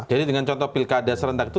jadi dengan contoh pilkada serentak itu